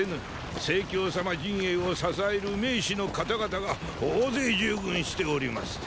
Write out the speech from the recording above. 成様陣営を支える名士の方々が大勢従軍しております。